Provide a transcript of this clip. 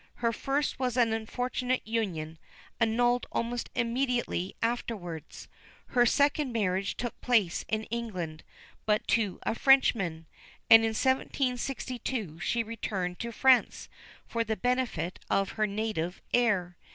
Her first was an unfortunate union, annulled almost immediately afterwards. Her second marriage took place in England, but to a Frenchman; and in 1762 she returned to France for the benefit of her native air.